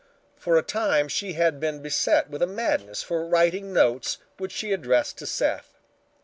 For a time she had been beset with a madness for writing notes which she addressed to Seth.